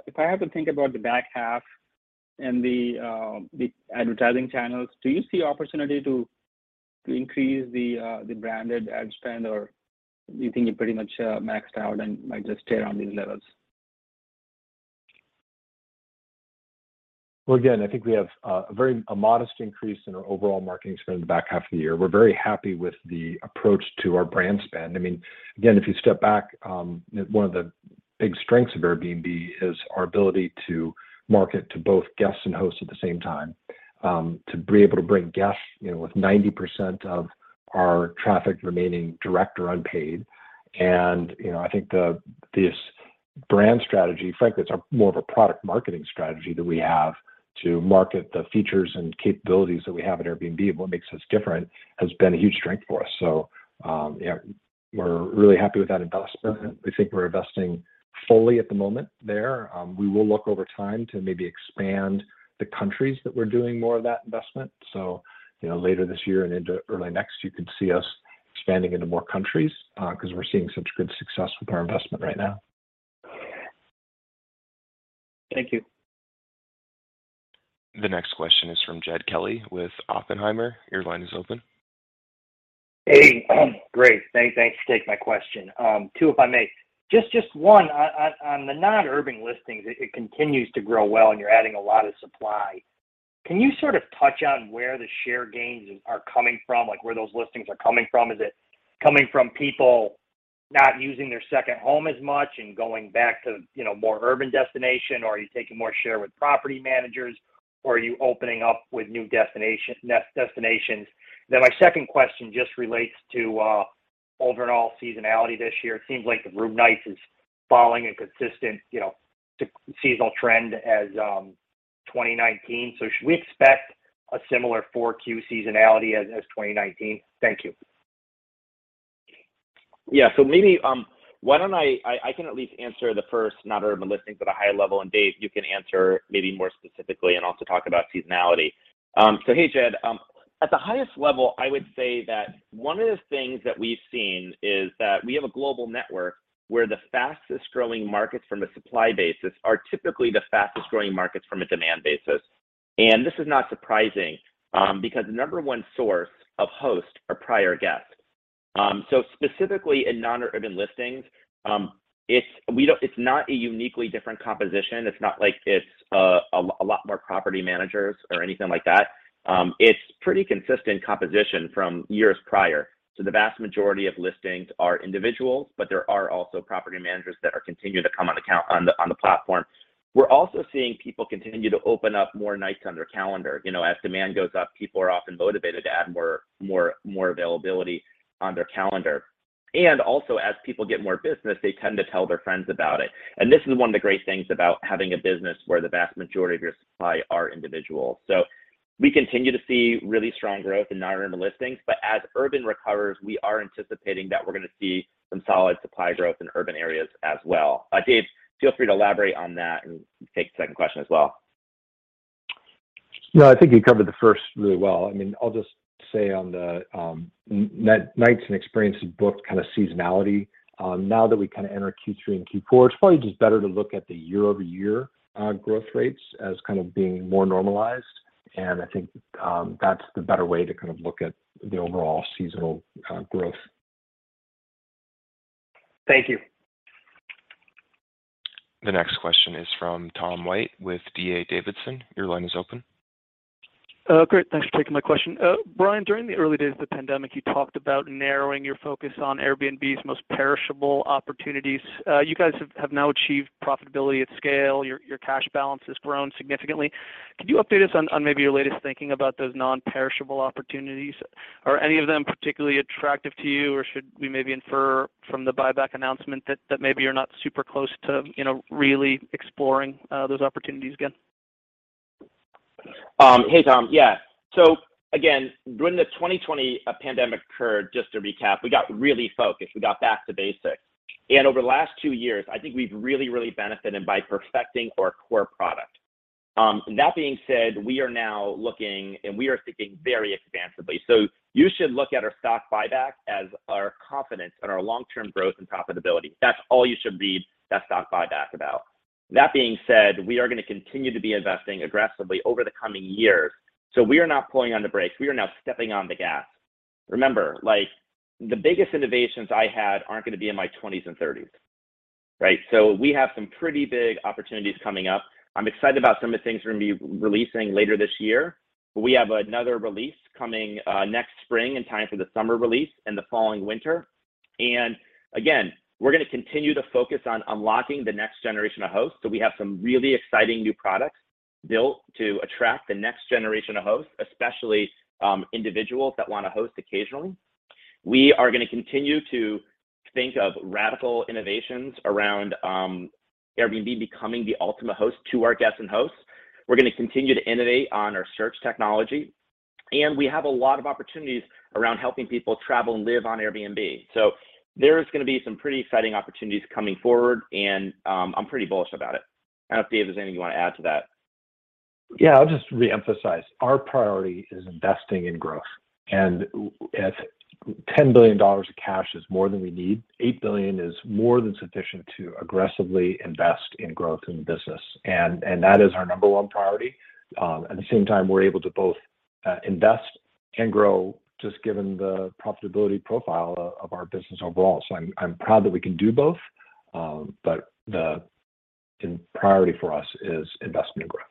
If I have to think about the back half and the advertising channels, do you see opportunity to increase the branded ad spend, or you think you're pretty much maxed out and might just stay around these levels? Well, again, I think we have a modest increase in our overall marketing spend in the back half of the year. We're very happy with the approach to our brand spend. I mean, again, if you step back, one of the big strengths of Airbnb is our ability to market to both guests and hosts at the same time, to be able to bring guests, you know, with 90% of our traffic remaining direct or unpaid. You know, I think this brand strategy, frankly, it's more of a product marketing strategy that we have to market the features and capabilities that we have at Airbnb and what makes us different, has been a huge strength for us. Yeah, we're really happy with that investment. We think we're investing fully at the moment there. We will look over time to maybe expand the countries that we're doing more of that investment. You know, later this year and into early next year, you could see us expanding into more countries, 'cause we're seeing such good success with our investment right now. Thank you. The next question is from Jed Kelly with Oppenheimer. Your line is open. Hey. Great. Thanks for taking my question. Two, if I may. Just one, on the non-urban listings, it continues to grow well and you're adding a lot of supply. Can you sort of touch on where the share gains are coming from? Like, where those listings are coming from? Is it coming from people not using their second home as much and going back to, you know, more urban destination, or are you taking more share with property managers, or are you opening up with new destinations? Then my second question just relates to overall seasonality this year. It seems like the room nights is falling a consistent, you know, seasonal trend as 2019. So should we expect a similar 4Q seasonality as 2019? Thank you. I can at least answer the first non-urban listings at a high level, and Dave, you can answer maybe more specifically and also talk about seasonality. Hey, Jed. At the highest level, I would say that one of the things that we've seen is that we have a global network where the fastest-growing markets from a supply basis are typically the fastest-growing markets from a demand basis. This is not surprising, because the number one source of hosts are prior guests. Specifically in non-urban listings, it's not a uniquely different composition. It's not like it's a lot more property managers or anything like that. It's pretty consistent composition from years prior. The vast majority of listings are individuals, but there are also property managers that are continuing to come on the platform. We're also seeing people continue to open up more nights on their calendar. You know, as demand goes up, people are often motivated to add more availability on their calendar. Also, as people get more business, they tend to tell their friends about it. This is one of the great things about having a business where the vast majority of your supply are individuals. We continue to see really strong growth in non-urban listings, but as urban recovers, we are anticipating that we're gonna see some solid supply growth in urban areas as well. Dave, feel free to elaborate on that and take the second question as well. No, I think you covered the first really well. I mean, I'll just say on the nights and experiences booked kind of seasonality, now that we kind of enter Q3 and Q4, it's probably just better to look at the year-over-year growth rates as kind of being more normalized. I think that's the better way to kind of look at the overall seasonal growth. Thank you. The next question is from Tom White with D.A. Davidson. Your line is open. Great. Thanks for taking my question. Brian, during the early days of the pandemic, you talked about narrowing your focus on Airbnb's most perishable opportunities. You guys have now achieved profitability at scale. Your cash balance has grown significantly. Could you update us on maybe your latest thinking about those non-perishable opportunities? Are any of them particularly attractive to you, or should we maybe infer from the buyback announcement that maybe you're not super close to, you know, really exploring those opportunities again? Hey, Tom. Yeah. Again, when the 2020 pandemic occurred, just to recap, we got really focused. We got back to basics. Over the last two years, I think we've really benefited by perfecting our core product. That being said, we are now looking, and we are thinking very expansively. You should look at our stock buyback as our confidence in our long-term growth and profitability. That's all you should read that stock buyback about. That being said, we are gonna continue to be investing aggressively over the coming years. We are not pulling on the brakes, we are now stepping on the gas. Remember, like the biggest innovations I had aren't gonna be in my 20s and 30s, right? We have some pretty big opportunities coming up. I'm excited about some of the things we're gonna be releasing later this year. We have another release coming next spring in time for the summer release and the following winter. We're gonna continue to focus on unlocking the next generation of hosts. We have some really exciting new products built to attract the next generation of hosts, especially individuals that wanna host occasionally. We are gonna continue to think of radical innovations around Airbnb becoming the ultimate host to our guests and hosts. We're gonna continue to innovate on our search technology, and we have a lot of opportunities around helping people travel and live on Airbnb. There is gonna be some pretty exciting opportunities coming forward, and I'm pretty bullish about it. I don't know if, Dave, there's anything you wanna add to that. Yeah. I'll just reemphasize. Our priority is investing in growth, and if $10 billion of cash is more than we need, $8 billion is more than sufficient to aggressively invest in growth in the business. That is our number one priority. At the same time, we're able to both invest and grow, just given the profitability profile of our business overall. I'm proud that we can do both, but the priority for us is investment and growth.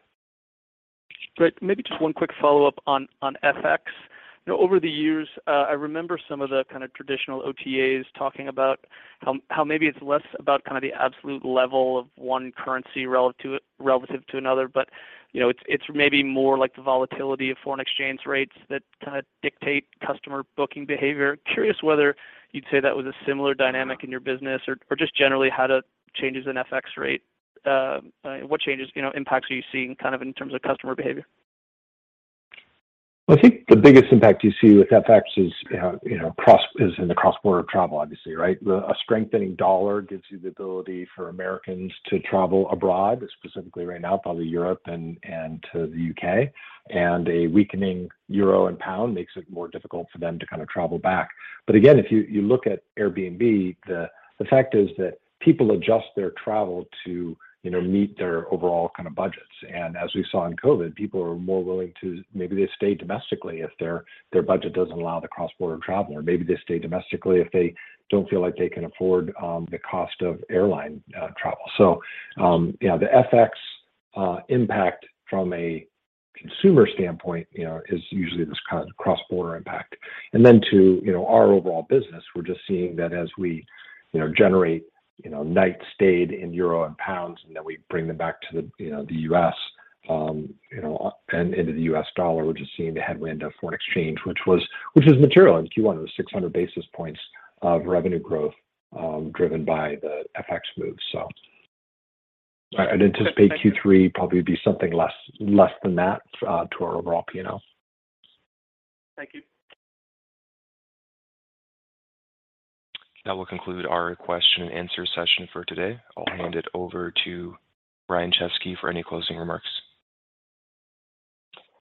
Great. Maybe just one quick follow-up on FX. You know, over the years, I remember some of the kinda traditional OTAs talking about how maybe it's less about kinda the absolute level of one currency relative to another, but you know, it's maybe more like the volatility of foreign exchange rates that kinda dictate customer booking behavior. Curious whether you'd say that was a similar dynamic in your business or just generally how the changes in FX rate, you know, impacts are you seeing kind of in terms of customer behavior? Well, I think the biggest impact you see with FX is, you know, [cross biz] in the cross-border travel, obviously, right? A strengthening dollar gives you the ability for Americans to travel abroad, specifically right now probably Europe and to the U.K., and a weakening euro and pound makes it more difficult for them to kinda travel back. But again, if you look at Airbnb, the fact is that people adjust their travel to, you know, meet their overall kind of budgets. As we saw in COVID, people are more willing to maybe they stay domestically if their budget doesn't allow the cross-border travel, or maybe they stay domestically if they don't feel like they can afford the cost of airline travel. Yeah, the FX impact from a consumer standpoint, you know, is usually this kind of cross-border impact. Then to our overall business, we're just seeing that as we, you know, generate, you know, nights stayed in euro and pounds, and then we bring them back to the, you know, the U.S., you know, and into the US dollar, we're just seeing the headwind of foreign exchange, which was material in Q1. It was 600 basis points of revenue growth driven by the FX move. I'd anticipate Q3 probably would be something less than that to our overall P&L. Thank you. That will conclude our question and answer session for today. I'll hand it over to Brian Chesky for any closing remarks.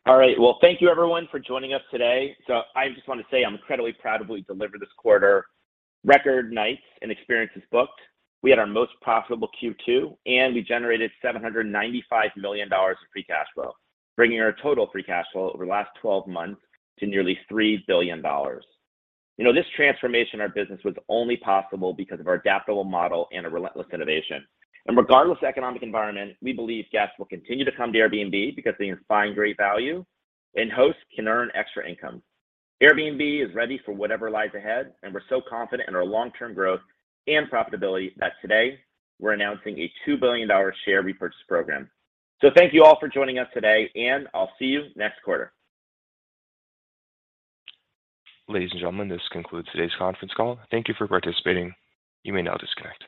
All right. Well, thank you everyone for joining us today. I just wanna say I'm incredibly proud of what we delivered this quarter. Record nights and experiences booked. We had our most profitable Q2, and we generated $795 million of free cash flow, bringing our total free cash flow over the last 12 months to nearly $3 billion. You know, this transformation in our business was only possible because of our adaptable model and a relentless innovation. Regardless of economic environment, we believe guests will continue to come to Airbnb because they can find great value, and hosts can earn extra income. Airbnb is ready for whatever lies ahead, and we're so confident in our long-term growth and profitability that today we're announcing a $2 billion share repurchase program. Thank you all for joining us today, and I'll see you next quarter. Ladies and gentlemen, this concludes today's conference call. Thank you for participating. You may now disconnect.